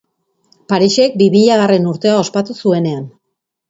Parisek bi milagarren urtea ospatu zuenean.